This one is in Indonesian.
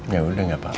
ya udah gak apa apa